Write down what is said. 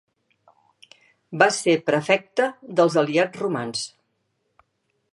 Va ser prefecte dels aliats romans.